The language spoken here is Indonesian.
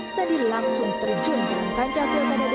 sandi langsung terjun ke kancah politik